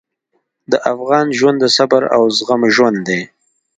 د افغان ژوند د صبر او زغم ژوند دی.